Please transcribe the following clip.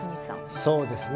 そうですね。